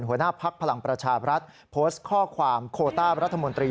หัวหน้าภักดิ์พลังประชาบรัฐโพสต์ข้อความโคต้ารัฐมนตรี